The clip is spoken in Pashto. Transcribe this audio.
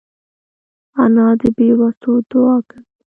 انا د بېوسو دعا کوي